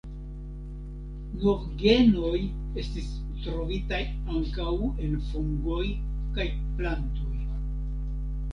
Novgenoj estis trovitaj ankaŭ en fungoj kaj plantoj.